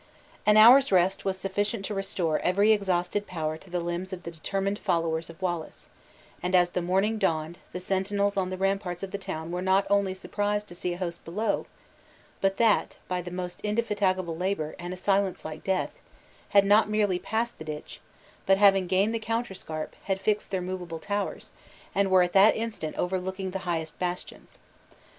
An hour's rest was sufficient to restore every exhausted power to the limbs of the determined followers of Wallace; and, as the morning dawned, the sentinels on the ramparts of the town were not only surprised to see a host below, but that (by the most indefatigable labor, and a silence like death) had not merely passed the ditch, but having gained the counterscarp, had fixed their movable towers, and were at that instant overlooking the highest bastions.